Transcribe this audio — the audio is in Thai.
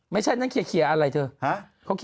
มันขีระแระอะไรเถอะหันเล่